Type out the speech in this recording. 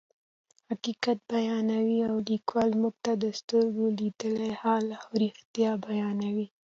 حقیقت بیانوي او لیکوال موږ ته د سترګو لیدلی حال او رښتیا بیانوي.